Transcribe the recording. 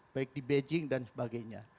baik di beijing dan sebagainya